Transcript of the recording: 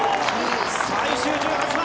最終１８番。